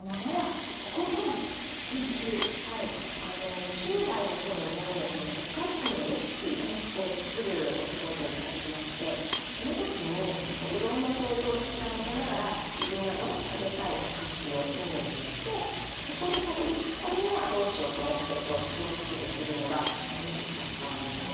２０代の頃にお菓子のレシピを作るお仕事を頂きましてその時にいろんな想像を膨らませながら自分がまず食べたいお菓子をイメージしてそこにたどりつくためにはどうしようと思って試行錯誤するのが楽しかったんですよね。